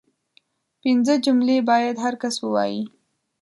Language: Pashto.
پنځه جملې باید هر کس ووايي